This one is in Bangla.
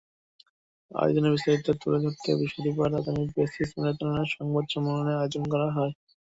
আয়োজনের বিস্তারিত তুলে ধরতে বৃহস্পতিবার রাজধানীর বেসিস মিলনায়তনে সংবাদ সম্মেলনের আয়োজন করা হয়।